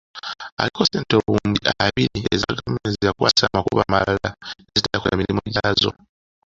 Aliko ssente obuwumbi abiri eza gavumenti ze yakwasa amakubo amalala nezitakola mirimu gyazo.